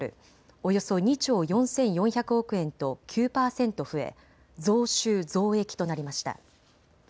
およそ２兆４４００億円と９％増え、増収増益となりました。